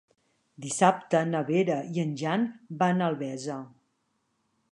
Dissabte na Vera i en Jan van a Albesa.